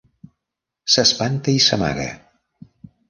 S'espanta i s'amaga.